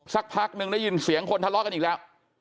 สักพักหนึ่งได้ยินเสียงคนทะเลาะกันอีกแล้ว